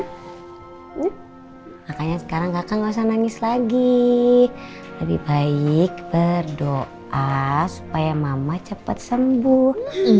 hmm makanya sekarang kakak gak usah nangis lagi lebih baik berdoa supaya mama cepat sembuh